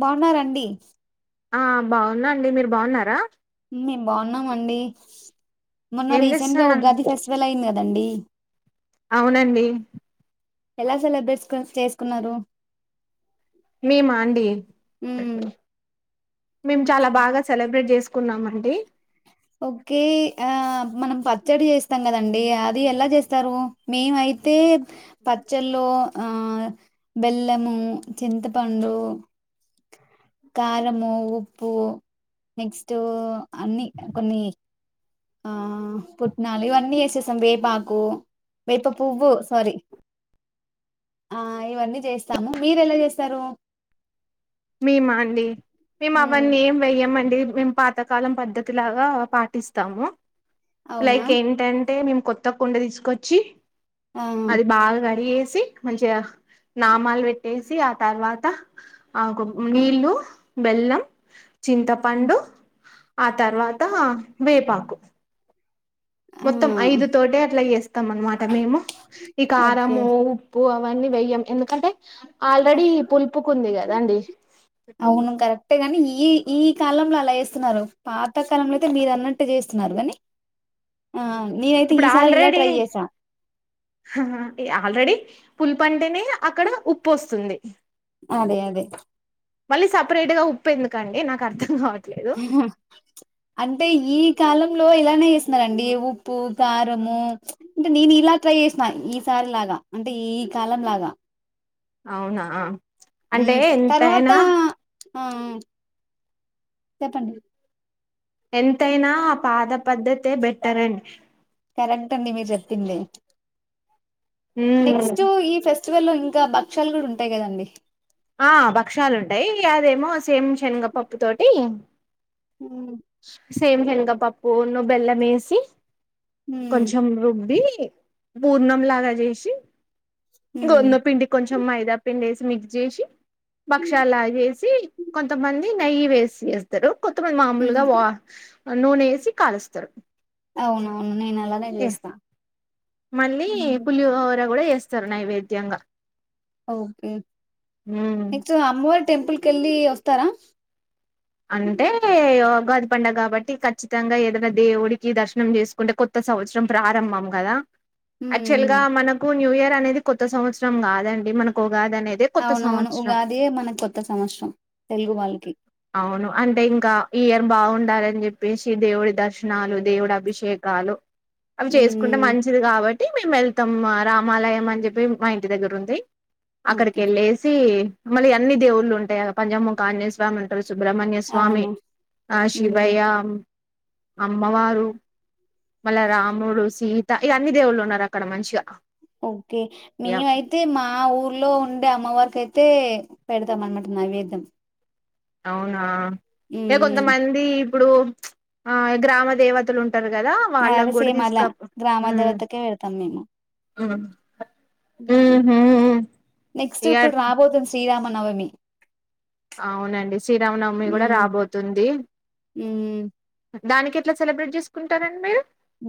బాగున్నారండి ఆ బాగున్నాండి మీరు బాగున్నారా మేము బాగున్నాం అండి మొన్న ఏం రీసెంట్ గా చేస్తున్నారు ఉగాది ఫెస్టివల్ అయింది కదా అండి అ [inaudible] అవునండి ఎలా సెలబ్రేషన్స్ చేసుకున్నారు మే మా అండి మ్మ్ మేము చాలా బాగా సెలబ్రేట్ చేసు కున్నామండి. ఓకే ఆ మనం పచ్చడి చేస్తాం కదండి అది ఎలా చేస్తారు మేమయితే పచ్చళ్ళు ఆ బెల్లము చింతపండు కారంము ఉప్పు నెక్స్ట్ అన్ని కొన్ని ఆ పుట్నాలు ఇవన్నీ వేసేస్తాం వేపాకు వేప పువ్వు సారీ ఆ ఇవన్నీ చేస్తాము మీరు ఎలా చేస్తారు. మీ మా అండి మేము మ్మ్ అవన్నీ ఏం వెయ్యంమండి. మేము పాతకాలం పద్ధతి లాగా పాటిస్తాము. అవునా లైక్ ఏంటంటే కొత్త కుండ తీసుకొచ్చి ఆ అది బాగా కడిగేసి సి మంచిగా నామాలు పెట్టేసి ఆ తర్వాత ఆ నీళ్లు బెల్లం చింతపండు ఆ తర్వాత వేపాకు ఆ మొత్తం ఐదు తోటె అట్లా చేస్తాం అన్నమాట మేము ఈ ఓకే కారము ఉప్పు అవన్నీ వెయ్యం ఎందుకంటే ఆల్రెడీ పులుపుకుంది కదాండి అవును కరెక్టే గాని ఈ ఈ కాలంలో అలా చేస్తున్నారు. పాతకాలంలో అయితే మీరు అన్నట్టు చేస్తున్నారు కాని ఆ నేనైతే ఇప్పుడు ఈసారి ఇలా ఆల్రెడీ ట్రై చేసా ఆల్రెడీ పులుపంటేనే అక్కడ ఉప్పు వస్తుంది. అదే అదే మళ్ళీ సపరేట్ గా ఉప్పు ఎందుకండి నాకు అర్థం కావ అంటే ఈ కాలంలో ఇలానే చేస్తున్నారండి ఉప్పు కారము అంటే నేను ఇలా ట్రై చేసిన ఈసారి లాగా అంటే ఈ కాలం లాగా అవునా అంటే ఉమ్ తర్వాత ఎంతైనా ఆ ఆ చెప్పండి ఎంతైనా ఆ పాత పద్ధతే బెటర్ అండి. కరెక్ ట్ అండి మీరు చెప్పింది. ఉమ్ నెక్స్ట్ ఈ ఫెస్ ఫెస్టివల్లో ఇంకా బక్షాలు కూడా ఉంటాయి కదండి. ఆ బక్షాలు ఉంటాయి అదేమో సేమ్ శనగపప్పు తోటి హు సేమ్ సెనగపప్పును బెల్లం ఏసి మ్మ్ కొంచం రుబ్బి పూర్ణమ్ లాగా చేసి మ్మ్ గోధుమపిండి కొంచం మైదాపిండేసి మిక్స్ చేసి ఉమ్ బక్షాలగా చేసి కొంతమంది నెయ్యి వేసి చేస్తారు. కొత్తమంది మామూలుగా వా నూనె ఏసి కాలుస్తారు. అవునవును నేను అలానే చేస్తా మళ్ళీ ఉమ్. పులిహోర కూడా చేస్ స్తరు నైవేద్యంగా ఉమ్ నెక్స్ట్ అమ్మోర్ టెంపుల్ కెళ్ళ వస్తస్తారా అంటే ఉగాది పడుగ కాబట్టి ఖచ్చితంగా ఏదైనా దేవుడికి దర్శనం చేసుకుంటే కొత్త సంవత్సరం ప్రారంభం కదా యాక్చువల్ ఉమ్ గా మనకు న్యూఇయర్ అనేది కొత్త సంవత్సరం కాదండి మనకు ఉగాది అనేది కొత్త అవునవును సంవత్సరం ఉగాది అదే మన కొత్త సంవత్సరం తెలుగు వాళ్ళకి అవును అంటే ఇంకా ఈఇయర్ బాగుండాలని చెప్పేసి దేవుడి దర్శనాలు దేవుడి అభిషేకాలు అవి చేసుకుంటే ఉమ్ మంచిది కాబట్టి మేము వెళ్తాం రామాలయం అని చెప్పి మా ఇంటి దగ్గర ఉంది అక్కడికి ఓకే వెళ్ళేసి మళ్ళ అన్ని ళ్ళలు ఉంటాయక పజామం కాజ స్వామి ఉంటారు సుబ్రహ్మణ్య స్వామి అవును ఆ ఉమ్ శివయ్యాం అమ్మవారు మళ్ళ రాముడు సీత ఈ అన్ని దేవుళ్ళు ఉన్నారుారక్క అక్కడ మంచిగా ఓకే యా, మేమైతే మా ఊర్లో ఉండే అమ్మవారికి అయితే అతే పెడతాం అన్నమాట నైవేద్యం అవునా ఎ కొంత ఉమ్ మందీ ఇప్పుడు చ్ ఆ గ్రామ దేవతలు ఉం ఉంటరు కదా వాళ్ళం అదే కూడా సేమ్ అలా తీసుక పో గ్రామ మ్ దేవతకే పెడతాం మేము ము నవమి అవునండి శ్రీరామనవమి కూడ ఉమ్ రాబోతుంది ఉమ్ దానికి ఎట్లా సెలబ్రేట్ చేసుకుంటారండి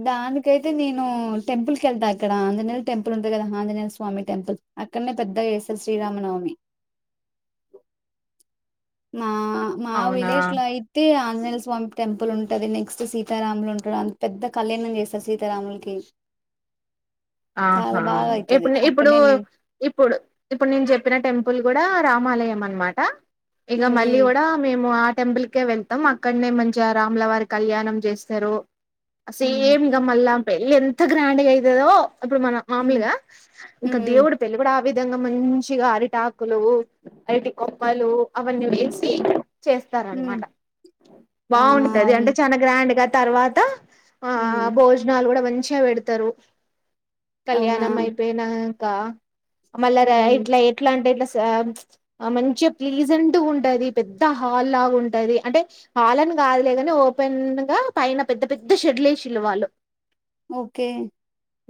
దానికైతే నేను టెంపుల్ కి ఎళ్తా ఇక్కడ అంజనేల టెంపుల్ ఉంటంది కదా అంజనేల స్వామి టెంపుల్ అక్కడనే పెద్దగా చేస్తారు శ్రీరామనవమి ఆ మా అవునా విలేజ్ లోయితే అంజనెల్ స్వామి టెంపుల్ ఉంటుంది నెక్స్ట్ సీతారాములు ఉంటడు అంత పెద్ద కళ్యాణం చేస్తారు సీతారాములకి చాలా ఆహా బాగా అయితది ఇప్పుడు ఇప్పుడు అక్కడనే నేను ఇప్పుడు ఇప్పుడు నేను చెప్పిన టెంపుల్ కూడ రామాలయం అనమాట ఇగ మళ్ళీ హ్మ్ గూడ మేము టెంపుల్కే వెళ్తాం అక్కడనే మంచిగ రాములవారి కళ్యాణం చేస్తరు హ్మ్ అసేమ్ గ మల్ల పెళ్ళి ఎంత గ్రాండ్ అయితదో ఇప్పుడు మన హ్మ్ మాములుగా ఇంక హ్మ్ హ్మ్ దేవుడు పెళ్ళి గూడా ఆ విధంగా మంచిగా అరిటాకులు అరటి కొమ్మలు అవన్నీ వేసి హ్మ్ చేస్తారనమాట ఆ బాగుంటది అంటే అవును చాన గ్రాండ్ గా తర్వాత ఆ హ్మ్ భోజనాలు గూడ మంచి మంచ్చిగా పేడతరు అవునా కళ్యాణం అయిపోయినా కా మళ్ళ రా హ్మ్ ఇట్లా ఎట్లా అంటే ఇట్లా ఆ మంచిగా ప్లీజెంట్గా ఉంటది పెద్ద హాల్ లాగా ఉంటంది అంటే హాల్ అని కాదులేగాని ఓపెన్ గా పైన పెద్ద పెద్ద షెడ్లే ఎశిర్ వాళ్ళు ఓకే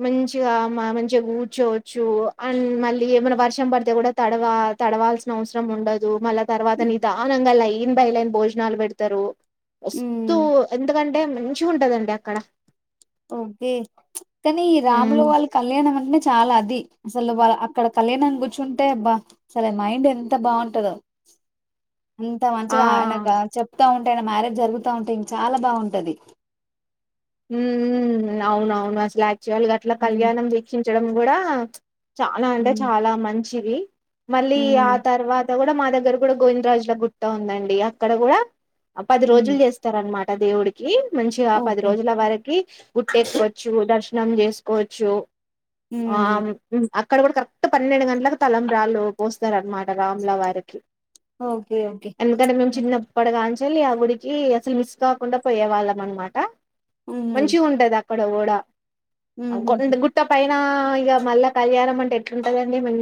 మంచిగా మంచి గూర్చోవచ్చు అండ్ మళ్ళీ ఏమైనా వర్షం పడితే గూడ తడవ తడవాల్సిన అవసరం ఉండదు మళ్ళ తర్వాత నీదానంగ ల్ యి లైన్ న్బైలన్ భోజనాలు పెడతరు వస్తూ హ్మ్ ఎందుకంటే అంటే మంచి గుంటదండి అక్కడ ఓకే కానీ ఈ హ్మ్ రాములు వాళ్ళ కళ్యాణం అంటనే చాలా అది అసలు వాళ్ళ అక్కడ కళ్యాణ్ కూర్చుంటే అబ్బా అసలు మైండ్ ఎంత బాగుంటదో అంత ఆ మంచిగా ఆయనకు చెప్తా ఉంటా అన మ్యారేజ్ జరుగుతా ఉంటే ఇం చాలా బాగుంటది ఉ అవునవును అసలా అట్ల హ్మ్ కళ్యాణం దీక్షించ చిడం గుడా చాలా అంటే హ్మ్ చాలా మంచి చిరి మళ్ళీ ఆ హ్మ్ తర్వాత అడ కూడా మా దగ్గర కూడా గోవిందరాజుల గుట్ట ఉందండి అక్కడ కూడా పది హ్మ్ రోజులు చేస్తార అనమాట దేవుడికి మంచిగా ఆ పది ఓకే. రోజుల వరకి గుట్టెక్కెచ్చు దర్శ నం చేసుకోవచ్చు ఆ హ్మ్. మ అక్కడ కూడా కరెక్ట్ పన్నెండు గంటలలకు తలంబ్రాళ్ళు పోస్తార అనమాట రామ్లా వారికి ఓకే. ఓకే. ఎందుకంటే మేము హ్మ్. చిన్నప్పడిగాంచి లీ ఆ గుడికి అసలు మిస్ కాకుండా పోయే వాళ్ళం అనమాట హుహు. మంచి ఉంటదా పడవోడా అ హుహుహు. గొంది గుట్ట పై ఆ ఇగ మల్ల కళ్యాణం అంటే ఎట్లుంటదండి మం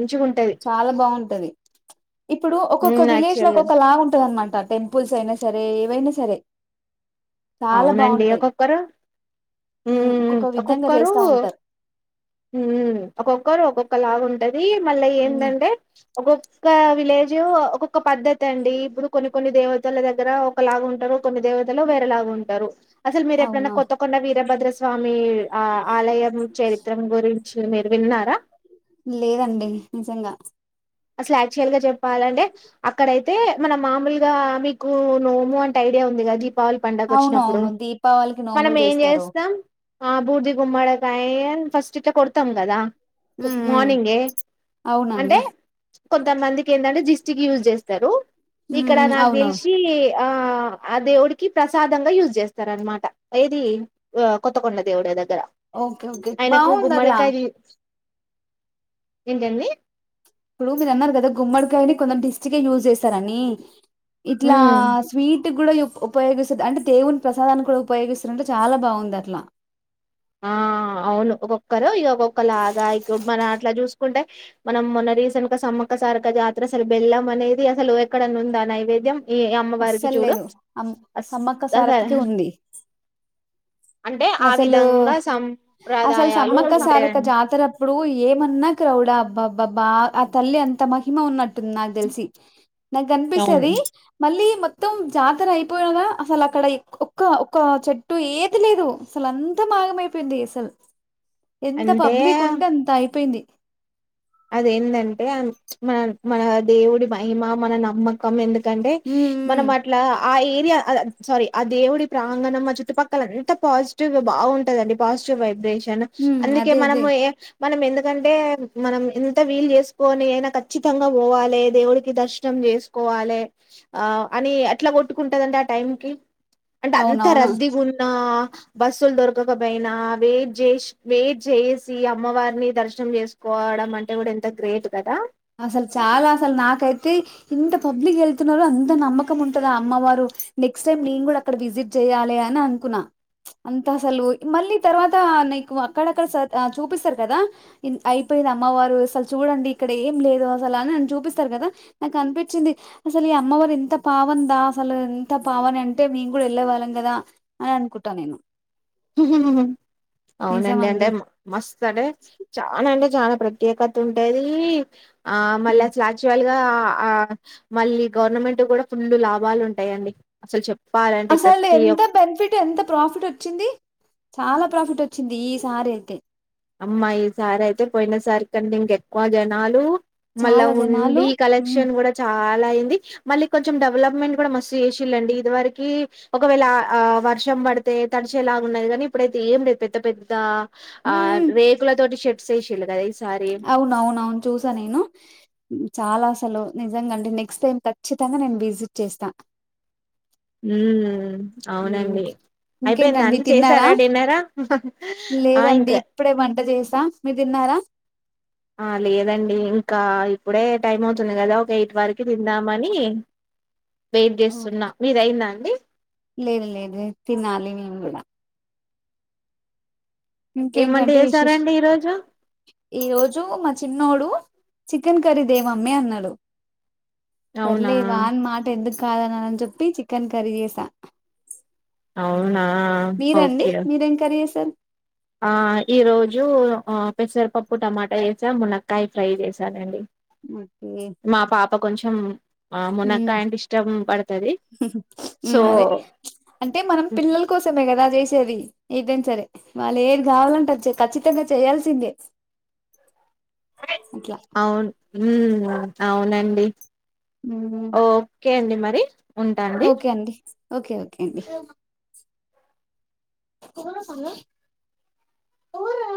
చాలా బాగుంటది ఇప్పుడు ఒక్కొక్క ఉమ్ విలేజ్ లో యాక్చువల్ ఒక్కొక్క లా ఉంటది అనమాట ట టెంపుల్స్ అయినా సరే ఏవైనా సరే చాలా అవునండి బావుంటాయి. ఒక్కొక్కరు ఊ హ్మ్. ఒక్కొక్క విధంగా ఒక్కొక్కరూ చేస్తా ఉంటారు. ఒక్కొక్కరు ఒక్కొక్ కలా ఉంటయ్ ఇదీ మళ్ళ హ్మ్. ఏందంటే ఒక్కొక్క విలేజ్ ఒక్కొక్క పద్ద్దతి అండి ఇప్పుడు కొన్ని కొన్ని దేవతల దగ్గర ఒక లాగు ఉంటరు కొన్ని దేవతలు వేరే లాగు ఉంటరు అసలు మీరుప్పుడన అవునా? కొత్త కొండా వీరభద్ర సా స్వామి ఆ ఆలయం చరిత్రం గురించి ఇది మీరు విన్నారా లేదండి నిజంగా అసలు యాక్చువల్ గా చెప్పాలంటే అక్కడయితే మన మామలుగా మీకు నోము అంటే ఐడియా ఉంది గా గిప్ పావళి పండగ అవును వచ్చినప్పుడు అవును దీపావళికి మనం నోములు ఏం చేస్తారు చేస్తం ఆ బూడిదగుమ్మడకాయ్ ఫస్ట్ ఇట్ల కొడతాం కదా ప్ మార్నింగే ఎ అవునండి అంటే కొంతమందికి ఏందంటే దిస్టికి యూజ్ చేస్తారు ఇక్కడ ఉమ్, నా అవును తెల్సి ఆ ఆ దేవుడికి ప్రసాదంగా యూజ్ చేస్తారు అనమాట ఏది ఆ కొత్తకొండ దేవుడి దగ్ ఓకే ఓకే బాగుందట్లా ఏంటండి ఇప్పుడు మీరు అన్నారు కదా గుమ్మడికాయని కొందరు దిష్టి గా యూజ్ చేస్తారని ఇట్లా ఉమ్. స్వీట్ టి కూడా ఉపయోగిస్తది అంటే దేవుని ప్రసాదాన్ని కూడా ఉపయోగిస్తుంరంటే చాలా బాగుంది అట్లా ఆ అవును ఒక్కొక్కరు ఇగ ఒక్కొక్క లాగా ఇప్పుడు మనం అట్లా జూస్ కుంటే మనం మొన్న రీసెంట్ గా సమ్మక్క సారక జాతర అసలు బెల్లం అనేది అసలు ఎక్కడన్న ఉందా నైవేద్యం ఈ అమ్మవారికి అస్సలు చూడు లేదు అమ్ అస్ సమ్మక్క అసల్ సారక్కకే ఉంది అంటే ఆ విద్ లు అసలు సమ్మక్క సం సారక్క ఉంటాయండి జాతర ఇప్పుడు ఏమన్నా క్రౌడా అబ్బబ్బ బా ఆ తల్లి అంత మహిమ ఉన్నట్టుంది నాకు తెలిసి నాక్ అవును కనిపిస్తది మళ్ళీ మొత్తం జాతర అయిపోయినదా అసలు అక్కడ ఏ ఒక్క ఒక్క చెట్టు ఏది లేదు అసలు అంతా మాయమైపోయింది అసల్ ఎంత అంటే పబ్లిక్ ఉంటే అంత అయిపోయింది అది ఎంది అంటే మన మన దేవుడి మహిమ మన నమ్మకం ఎందుకు ఎందుకంటే ఉమ్ మనం ఉమ్ అట్లా ఆ ఎ సారీ ఆ దేవుడి ప్రాంగణం ఆ చుట్టుపక్కల ఎంత పాజిటివ్ గా బావుంటాదండి పాజిటివ్ వైబ్రేషన్ ఉమ్ అందుకే అదే అదే మనము ఏ మనం ఎందుకంటే మనం ఎంత వీలు చేసుకోని అయినా ఖచ్చితంగా పోవాలే దేవుడికి దర్శనం చేసుకోవాలే ఆ అని అట్లా కొట్టుకుంటందండి ఆ టైంకి అంటె అంత అవునవును రద్దిగా ఉన్నా బస్సులు దొరకకపోయినా వెయిట్ చేసి వెయిట్ చేసి అమ్మవారిని దర్శనం చేసుకోవడం అంటే దేవుడు ఎంత గ్రేట్ కదా అసలు చాలా అసలు నాకైతే ఇంత పబ్లిక్ వెళ్తున్నారో అంత నమ్మకం ఉంటది ఆ అమ్మవారు నెక్స్ట్ టైం నేను కూడా అక్కడ విజిట్ చెయాలి అని అనుకున్నా అంత అసలు మళ్ళీ తర్వాత నీకు అక్కడక్కడ చూపిస్తారు కదా అయిపోయిది అమ్మవారు అసలు చూడండి ఇక్కడ ఏం లేదు అసలు అని అని చూపిస్తారు కదా నాకు అనిపించింది అసలు ఈ అమ్మవారు ఇంత పావందా అసలు ఇంత పావనఅంటే మేము కూడా వెళ్ళే వాళ్ళం కదా అని అనుకుంటా నేను ఉ హు హు నిజం అండి అవునండిడె మస్త్ అండె చాన అండె చాలా ప్రత్యేకత ఉంటాదీ ఆ మళ్ళా చాచువల్గా ఆ ఆ మళ్ళీ గవర్నమెంట్ కూడా ఫుల్ల్ లాభాలు ఉంటాయండి అసలు చెప్ప అసలు ఎంత బెనిఫిట్ ఎంత ప్రాఫిట్ వచ్చింది చాలా ప్రాఫిట్ వచ్చింది ఈసారి అయితే అమ్మా ఈసారి అయితే పోయిన సారి కంటే ఇంకెక్కువ జనాలు మళ్ళా చాలా జనాలు ఉండి ఉమ్, కలెక్షన్ కూడా చాల చాల అయింది మళ్ళీ కొంచెం డెవలప్మెంట్ కూడా మస్తు చేసిళ్ళండి ఇది వరకి ఒకవేళ వర్షం పడితే తడిచేలాగున్నది కానీ ఇప్పుడైతే ఏం లేదు పెద్ద పెద్ద ఆ ఉ ఉ [unintelligible] అవున అవున అవును చూసా నేను చాలా నిజంగా అంటే నెక్స్ట్ టైం ఖచ్చితంగా నేను విజిట్ చేస్తా ఉమ్ ఉమ్. అవునండి అయిపోయిందా ఇంకేంటండి అంటే తిన్నారా చేసారా డిన్నరా ఆ ఇంకా స మీరు తిన్నారా ఆ లేదండి ఇంకా ఇప్పుడే టైం అవుతుంది కదా ఒక ఎయిట్ వరకు తిందామని వెయిట్ చేస్తున్నా మీరయింద అండి లేదు లేదు తినాలి మేము కూడా ఏం వంట ఇంకేంటంటే విశేష చేసారండి ఈరోజు ఈ రోజు మా చిన్నోడు చికెన్ కర్రీ దే మమ్మే అన్నాడు అవునా సర్లే వాన్ మాట ఎందుకు కాదననని చెప్పి చికెన్ కర్రీ చేసా అవునా మీరండి ఓకే మీరేం కర్రి జేసారు. ఆ ఈ రోజు ఉ పెసరపప్పు టమాట జేసామ్ మునక్కయ్ ఫ్రై జేసానండి. మ్ ఏ ఆ మ్ మునక్కాయ అంటే ఇష్టం పడుతది హు సో మ్ అదె అంటే మనం పిల్లల్ కోసమే గదా జేసేది ఏదైన్ సరె. వాళ్ళేద్ కావాలంటె అద్ చేస్ ఖచ్చితంగ చేయాల్సిందె. ఔను. ఊమ్ ఔనండి. ఉమ్, ఓక్కే అండి మర్ [unintelligible] ఉంటా అండి. ఒకె ఒకేండి. తమ సంగ తమార